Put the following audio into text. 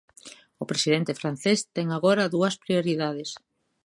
O presidente francés ten agora dúas prioridades.